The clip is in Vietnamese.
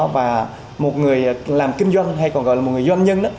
và một người làm kinh doanh hay còn gọi là một người doanh nhân